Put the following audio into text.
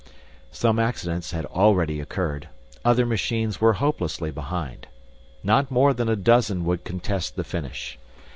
Some accidents had already occurred, other machines were hopelessly behind. Not more than a dozen would contest the finish.